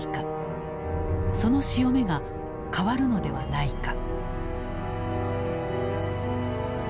その潮目が変わるのではないか。